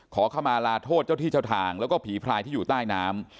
ขอเข้ามาลาโทษเจ้าที่เจ้าทางแล้วก็ผีพรายที่อยู่ใต้น้ำ